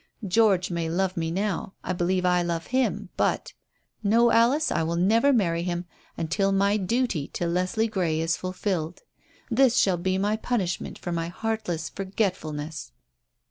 George may love me now; I believe I love him, but No, Alice, I will never marry him until my duty to Leslie Grey is fulfilled. This shall be my punishment for my heartless forgetfulness."